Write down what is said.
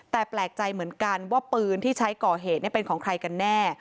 แต่แปลกใจเหมือนกันว่าปืนที่ใช้ก่อเหตุเป็นของใครกันแน่